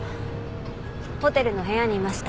ホテルの部屋にいました。